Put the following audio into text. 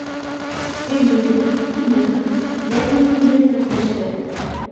Өй йылытам, һин дә тор, итәк-еңеңде рәтләштер.